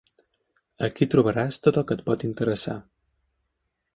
Aquí trobaràs tot el que et pot interessar.